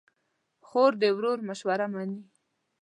خور د ورور مشوره منې.